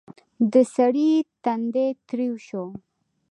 د سړي تندی تريو شو: